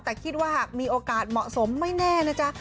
แต่คิดว่าหากมีโอกาสเหมาะสมไม่แน่นะจ๊ะ